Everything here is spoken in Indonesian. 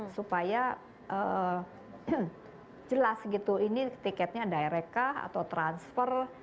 supaya jelas gitu ini tiketnya direct kah atau transfer